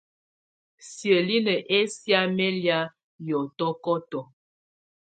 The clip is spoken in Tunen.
Siǝ́linǝ́ ɛsɛ̀á mɛ́ lɛ̀á yɔtɔkɔtɔ.